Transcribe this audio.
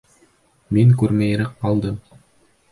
Мин күрмәйерәк ҡалдым.